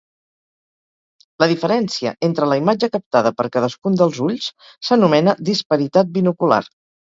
La diferència entre la imatge captada per cadascun dels ulls s'anomena disparitat binocular.